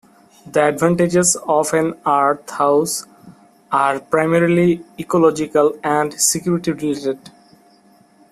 The advantages of an earth house are primarily ecological and security-related.